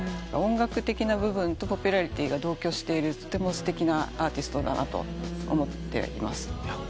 音楽的な部分とポピュラリティーが同居しているとてもすてきなアーティストだなと思っています。